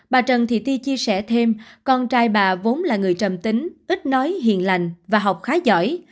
bà trần thị ti chia sẻ thêm con trai bà vốn là người trầm tính ít nói hiền lành và học khá giỏi